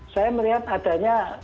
saya melihat adanya